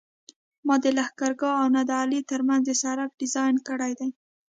ما د لښکرګاه او نادعلي ترمنځ د سرک ډیزاین کړی دی